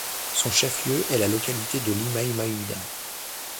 Son chef-lieu est la localité de Limay Mahuida.